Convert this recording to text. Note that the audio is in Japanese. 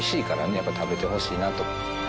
やっぱり食べてほしいなと。